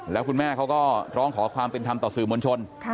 แล้วคุณแม่เขาก็ร้องขอความเป็นธรรมต่อสื่อมวลชน